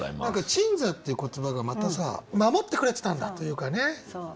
何か「鎮座」っていう言葉がまたさ守ってくれてたんだというかね。